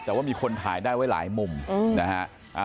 แต่ว่ามีคนถ่ายได้ไว้หลายมุมนะฮะ